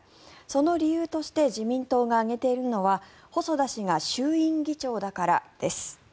その理由として自民党が挙げているのは細田氏が衆院議長だからです。